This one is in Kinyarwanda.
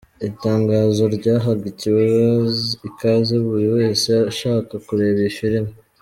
Itangazo ryahaga ikaze buri wese ushaka kureba iyi filime.